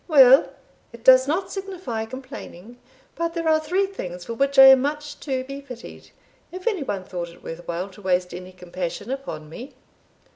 Well, it does not signify complaining, but there are three things for which I am much to be pitied, if any one thought it worth while to waste any compassion upon me."